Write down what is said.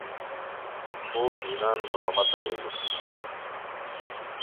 خور جینان مرمت ارینی